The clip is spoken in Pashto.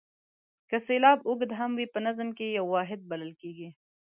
که سېلاب اوږد هم وي په نظم کې یو واحد بلل کیږي.